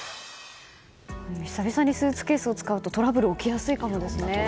久々にスーツケースを使うとトラブル、起きやすいかもですね。